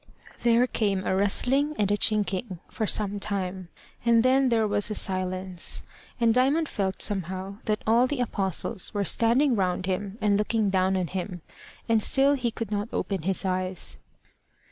There came a rustling, and a chinking, for some time, and then there was a silence, and Diamond felt somehow that all the Apostles were standing round him and looking down on him. And still he could not open his eyes.